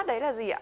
đấy là gì ạ